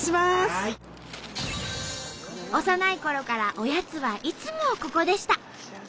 幼いころからおやつはいつもここでした。